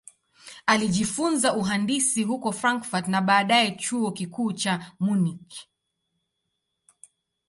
Alijifunza uhandisi huko Frankfurt na baadaye Chuo Kikuu cha Munich.